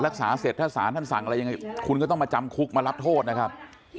เสร็จถ้าศาลท่านสั่งอะไรยังไงคุณก็ต้องมาจำคุกมารับโทษนะครับ